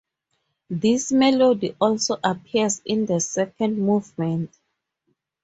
This melody also appears in the second movement.